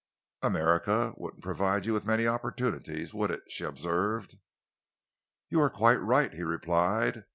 "America wouldn't provide you with many opportunities, would it?" she observed. "You are quite right," he replied.